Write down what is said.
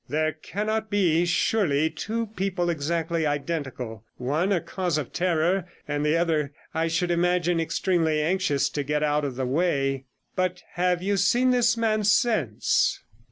There cannot be, surely, two people exactly identical — one a cause of terror, and the other, I should imagine, extremely anxious to get out of the way. But have you seen this man since?'